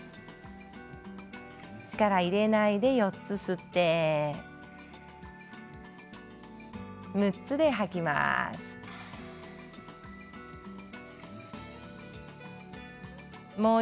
力を入れないで４つ吸って６つで吐きましょう。